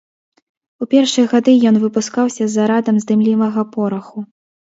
У першыя гады ён выпускаўся з зарадам з дымлівага пораху.